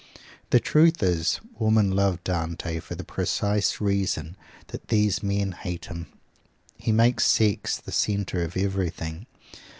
The truth is, women love Dante for the precise reason that these men hate him. He makes sex the centre of everything.